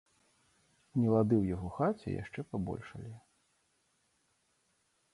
Нелады ў яго хаце яшчэ пабольшалі.